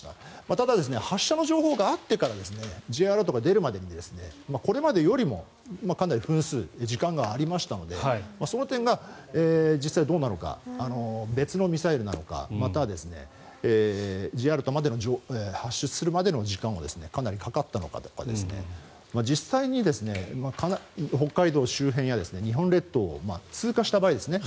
ただ、発射の情報があってからＪアラートが出るまでにこれまでよりも、かなり分数時間がありましたのでその点が実際どうなのか別のミサイルなのかまたはＪアラートを発出するまでの時間がかなりかかったのかとか実際に北海道周辺や日本列島を通過した場合ですね。